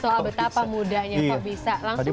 soal betapa mudahnya kok bisa langsung